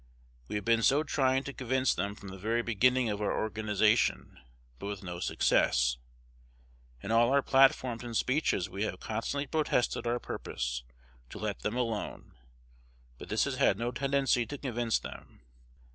We have been so trying to convince them from the very beginning of our organization, but with no success. In all our platforms and speeches we have constantly protested our purpose to let them alone; but this has had no tendency to convince them.